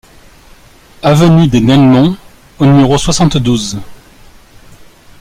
Avenue des Nelmons au numéro soixante-douze